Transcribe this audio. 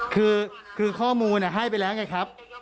คือข้อมูลให้ไปแล้วไงครับ